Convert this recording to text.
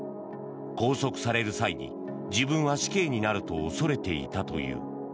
拘束される際に自分は死刑になると恐れていたという。